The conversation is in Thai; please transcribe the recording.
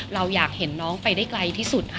เราอยากเห็นน้องไปได้ไกลที่สุด